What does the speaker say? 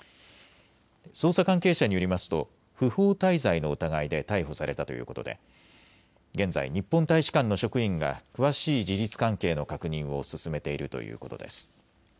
捜査関係者によりますと不法滞在の疑いで逮捕されたということで現在、日本大使館の職員が詳しい事実関係の確認を進めているということです。